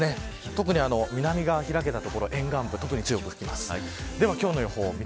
はい、特に南側、開けた所沿岸部は強く吹きます。